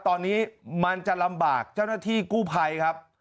ตอนนี้มันจะลำบากเจ้าหน้าที่กู้ภัยครับ